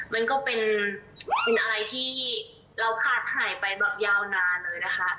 มันก็เป็นอะไรที่เราขาดหายไปแบบยาวนานเลยนะคะ